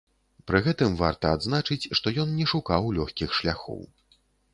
Пры гэтым варта адзначыць, што ён не шукаў лёгкіх шляхоў.